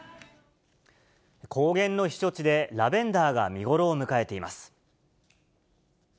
高原の避暑地で、ラベンダーが見頃を迎えています。